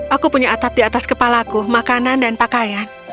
aku punya atap di atas kepalaku makanan dan pakaian